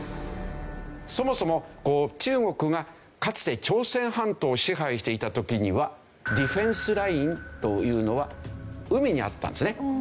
そもそも中国がかつて朝鮮半島を支配していた時にはディフェンスラインというのは海にあったんですね。